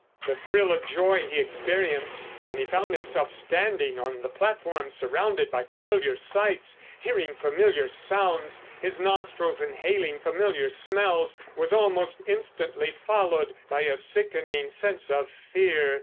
The thrill of joy he experienced when he found himself standing on the platform surrounded by familiar sights, hearing familiar sounds, his nostrils inhaling familiar smells, was almost instantly followed by a sickening sense of fear.